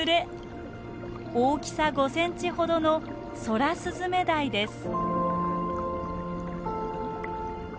大きさ５ｃｍほどのソラスズメダイです。